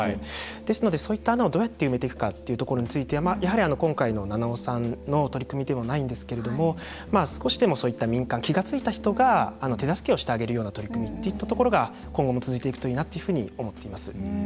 ですので、そういった穴をどうやって埋めていくかっていうところについて今回の七尾さんの取り組みではないんですけれども少しでも、そういった民間気が付いた人が手助けをしてあげるような取り組みといったところが今後も続いていくといいなっていうふうに思っています。